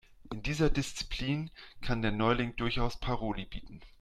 In dieser Disziplin kann der Neuling durchaus Paroli bieten.